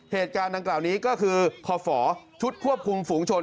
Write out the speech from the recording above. เหตุการณ์ดังกล่าวนี้ก็คือคฝชุดควบคุมฝูงชน